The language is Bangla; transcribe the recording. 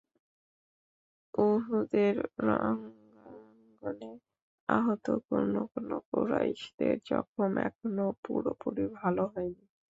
উহুদের রণাঙ্গনে আহত কোন কোন কুরাইশের জখম এখনও পুরোপুরি ভাল হয়নি।